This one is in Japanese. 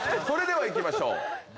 それでは行きましょう！